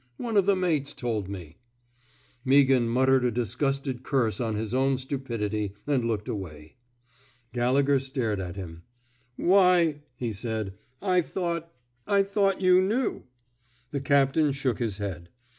One of the mates told me.'' Meaghan muttered a disgusted curse on his own stupidity, and looked away. Gallegher stared at him. Why! '' he said. I thought — I thought you knew." The captain shook his head.